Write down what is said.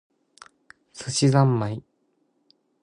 寿司ざんまい